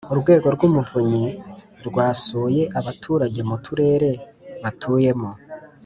urwego rw’umuvunyi rwasuye abaturage mu turere batuyemo